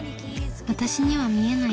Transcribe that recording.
私には見えない